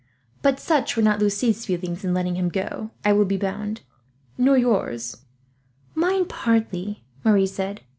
But such were not Lucie's feelings in letting him go, I will be bound; nor yours." "Mine partly," Marie said.